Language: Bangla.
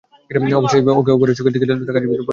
অবশেষে একে ওপরের চোখের দিকে তাকাতে পারছি বলে ভালো লাগছে!